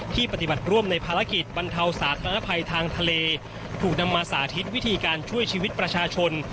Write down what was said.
ปฏิบัติร่วมในภารกิจบรรเทาสาธารณภัยทางทะเลถูกนำมาสาธิตวิธีการช่วยชีวิตประชาชน